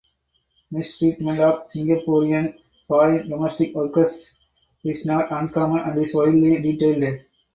Mistreatment of Singaporean foreign domestic workers is not uncommon and is widely detailed.